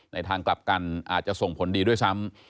ทางกลับกันอาจจะส่งผลดีด้วยซ้ำ